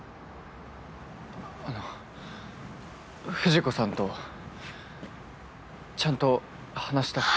あの藤子さんとちゃんと話したくて。